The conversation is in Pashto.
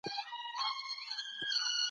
پوهانو د ټولنیز واقعیت ژوره څېړنه وکړه.